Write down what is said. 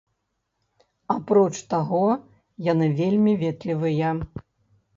Апроч таго, яны вельмі ветлівыя.